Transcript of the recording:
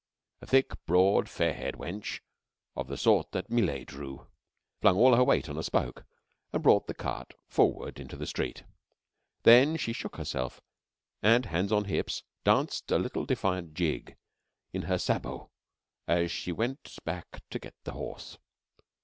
A thick, broad, fair haired wench, of the sort that Millet drew, flung all her weight on a spoke and brought the cart forward into the street. Then she shook herself, and, hands on hips, danced a little defiant jig in her sabots as she went back to get the horse.